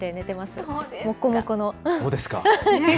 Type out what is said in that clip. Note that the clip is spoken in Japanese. そうですか。